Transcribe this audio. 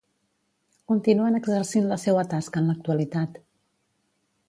Continuen exercint la seua tasca en l'actualitat.